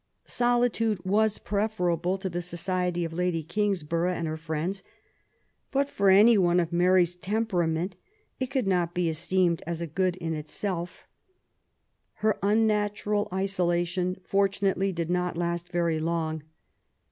Solitude was preferable to the society of Lady Kingsborough and her friends, but for anyone of Mary's temperament it could not be esteemed as a good in itself. Her unnatural isolation fortunately did not last very long.